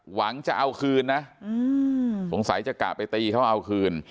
หวังจะเอาคืนนะสงสัยจะกะไปตีเขาเอาคืน